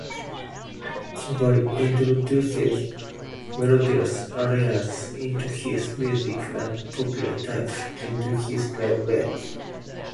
Cavalli introduced melodious arias into his music and popular types into his libretti.